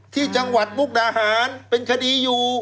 ที่จังหวัดมุกดาหารเป็นคดีอยู่